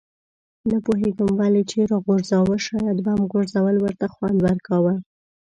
نه پوهېږم ولې یې راوغورځاوه، شاید بم غورځول ورته خوند ورکاوه.